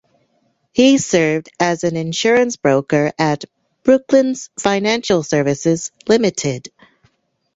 He served as an insurance broker at Brooklands Financial Services Limited.